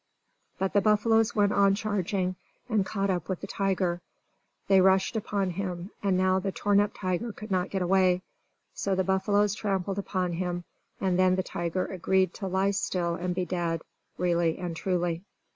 But the buffaloes went on charging, and caught up with the tiger. They rushed upon him, and now the torn up tiger could not get away. So the buffaloes trampled upon him, and then the tiger agreed to lie still and be dead, really and truly.